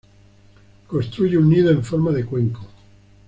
Construye un nido en forma de cuenco.